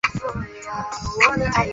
而两款卡不能同时放入卡组。